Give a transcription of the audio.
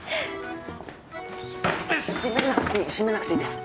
閉めなくていい閉めなくていいです。